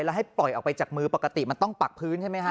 แล้วให้ปล่อยออกไปจากมือปกติมันต้องปักพื้นใช่ไหมฮะ